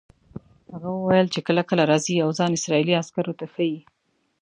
هغه وویل چې کله کله راځي او ځان اسرائیلي عسکرو ته ښیي.